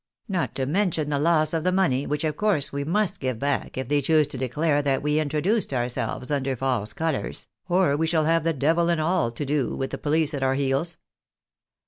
Not to niention the loss of the money, which of course we must give back if they choose to declare that we introduced our selves under false colours, or we shall have the devil and all to do, with the police at our heels."